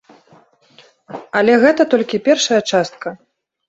Але гэта толькі першая частка.